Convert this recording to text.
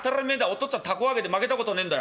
お父っつぁん凧揚げで負けたことねんだ。